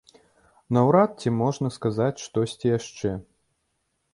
Наўрад ці можна сказаць штосьці яшчэ.